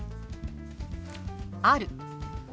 「ある」。